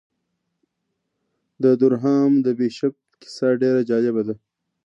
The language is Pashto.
د دورهام د بیشپ کیسه ډېره جالبه ده.